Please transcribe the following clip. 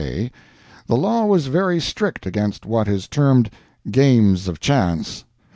K ); the law was very strict against what is termed "games of chance."